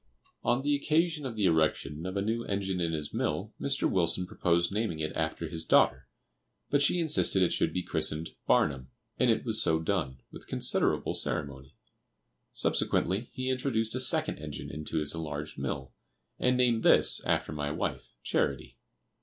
On the occasion of the erection of a new engine in his mill, Mr. Wilson proposed naming it after his daughter, but she insisted it should be christened "Barnum," and it was so done, with considerable ceremony. Subsequently he introduced a second engine into his enlarged mill, and named this, after my wife, "Charity."